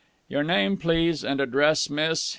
"Your name, please, and address, miss?"